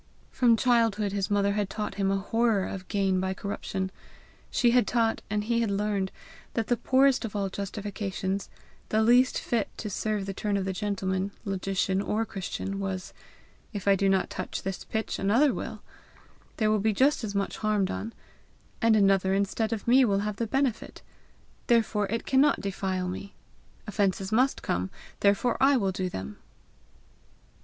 From childhood his mother had taught him a horror of gain by corruption. She had taught, and he had learned, that the poorest of all justifications, the least fit to serve the turn of gentleman, logician, or Christian, was "If I do not touch this pitch, another will; there will be just as much harm done; AND ANOTHER INSTEAD OF ME WILL HAVE THE BENEFIT; therefore it cannot defile me. Offences must come, therefore I will do them!"